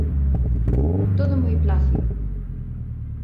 Todo moi plácido.